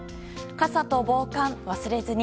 傘と防寒忘れずに。